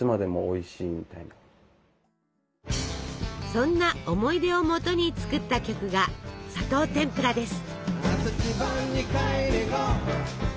そんな思い出をもとに作った曲が「砂糖てんぷら」です。